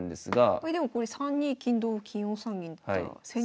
これでもこれ３二金同金４三銀だったら千日手。